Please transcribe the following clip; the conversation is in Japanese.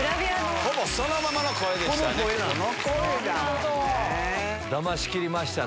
ほぼそのままの声でしたね。